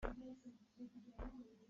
Zei bantuk mawtaw dah na uar?